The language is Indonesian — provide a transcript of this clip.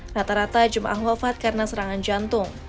rata rata jemaah wafat karena serangan jantung